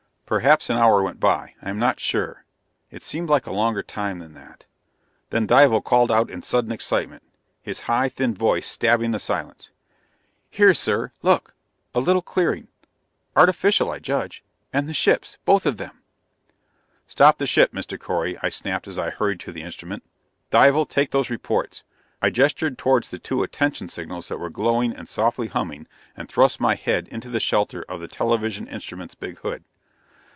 Perhaps an hour went by. I am not sure. It seemed like a longer time than that. Then Dival called out in sudden excitement, his high, thin voice stabbing the silence: "Here, sir! Look! A little clearing artificial, I judge and the ships! Both of them!" "Stop the ship, Mr. Correy!" I snapped as I hurried to the instrument. "Dival, take those reports." I gestured towards the two attention signals that were glowing and softly humming and thrust my head into the shelter of the television instrument's big hood.